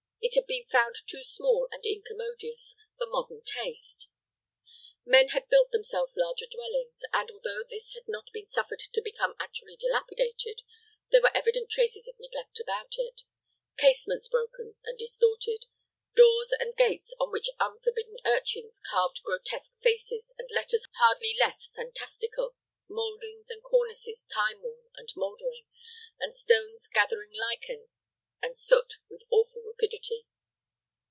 It had been found too small and incommodious for modern taste. Men had built themselves larger dwellings, and, although this had not been suffered to become actually dilapidated, there were evident traces of neglect about it casements broken and distorted, doors and gates on which unforbidden urchins carved grotesque faces and letters hardly less fantastical, moldings and cornices time worn and moldering, and stones gathering lichen and soot with awful rapidity.